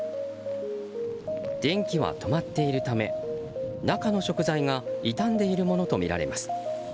電気は止まっているため中の食材が傷んでいるものとみられます。